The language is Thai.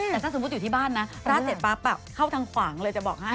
แต่ถ้าสมมุติอยู่ที่บ้านนะราดเสร็จปั๊บเข้าทางขวางเลยจะบอกให้